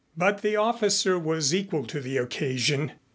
But the officer was equal to the occasion.